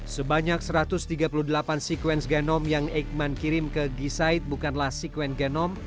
sebanyak satu ratus tiga puluh delapan sekuens genom yang eikman kirim ke gisaid bukanlah sekuen genom